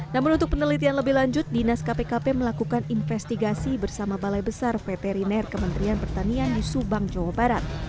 namun untuk penelitian lebih lanjut dinas kpkp melakukan investigasi bersama balai besar veteriner kementerian pertanian di subang jawa barat